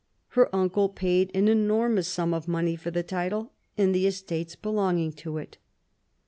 Her uncle paid an enormous sum of money for the title and the estates belonging to it.